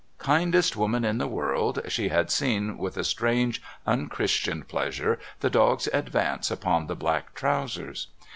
Kindest woman in the world, she had seen with a strange un Christian pleasure the dog's advance upon the black trousers.